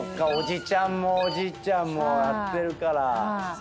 叔父ちゃんもおじいちゃんもやってるから。